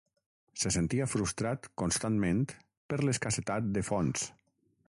Se sentia frustrat constantment per l'escassetat de fons.